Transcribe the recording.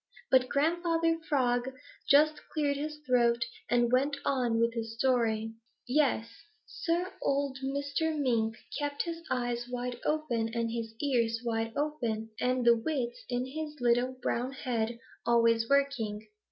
But Grandfather Frog just cleared his throat and went on with his story. "Yes, Sir, old Mr. Mink kept his eyes wide open and his ears wide open and the wits in his little brown head always working.